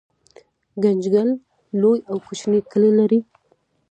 ګنجګل لوی او کوچني کلي لري